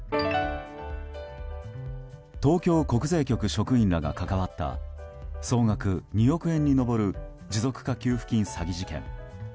東京国税局職員らが関わった総額２億円に上る持続化給付金詐欺事件。